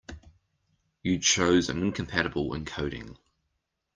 You chose an incompatible encoding.